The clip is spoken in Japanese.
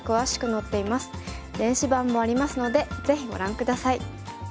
電子版もありますのでぜひご覧下さい。